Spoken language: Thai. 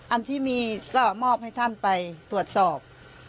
อันที่มีสม่อมให้ท่านไปสวดสอบ